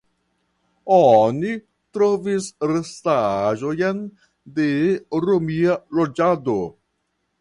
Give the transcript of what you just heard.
Oni trovis restaĵojn de romia loĝado.